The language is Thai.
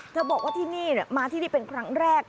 บอกว่าที่นี่มาที่นี่เป็นครั้งแรก